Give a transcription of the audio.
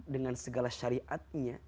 dengan segala syariat